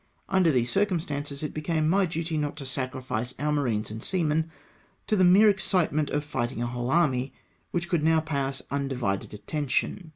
Under these circumstances it became my duty not to sacrifice our marines and seamen to the mere excitement of fighting a whole army which could now pay us undivided attention.